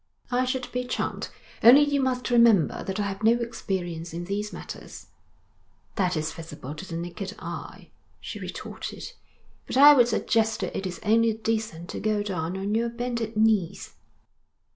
'I should be charmed, only you must remember that I have no experience in these matters.' 'That is visible to the naked eye,' she retorted. 'But I would suggest that it is only decent to go down on your bended knees.'